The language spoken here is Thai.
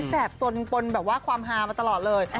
แบบสนปนแบบว่าความฮามาตลอดเลย